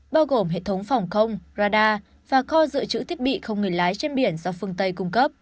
bao gồm hệ thống phòng không radar và kho dự trữ thiết bị không người lái trên biển do phương tây cung cấp